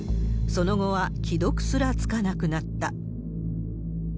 その後は既読すらつかなくなった。